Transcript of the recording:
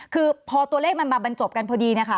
คือพอตัวเลขมันมาบรรจบกันพอดีนะคะ